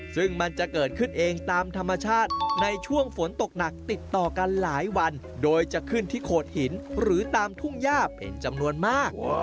ซึ่งมันจะเกิดขึ้นเองตามธรรมชาติในช่วงฝนตกหนักติดต่อกันหลายวันโดยจะขึ้นที่โขดหินหรือตามทุ่งย่าเป็นจำนวนมาก